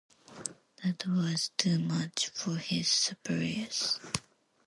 That was too much for his superiors.